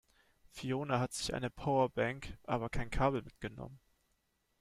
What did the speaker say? Fiona hat sich eine Powerbank, aber kein Kabel mitgenommen.